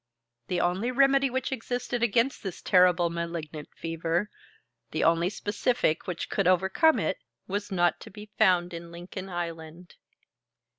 The only remedy which existed against this terrible malignant fever, the only specific which could overcome it, was not to be found in Lincoln Island.